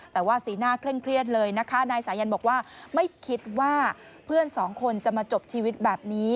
แต่ว่าสีหน้าเคร่งเครียดเลยนะคะนายสายันบอกว่าไม่คิดว่าเพื่อนสองคนจะมาจบชีวิตแบบนี้